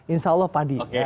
insya allah padi